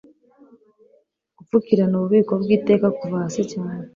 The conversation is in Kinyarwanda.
Gupfukirana ububiko bwiteka kuva hasi cyane